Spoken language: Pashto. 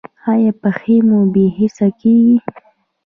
ایا پښې مو بې حسه کیږي؟